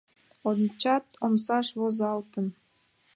Ончат, омсаш возалтын: